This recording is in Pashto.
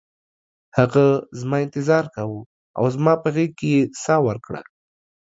هغه زما انتظار کاوه او زما په غیږ کې یې ساه ورکړه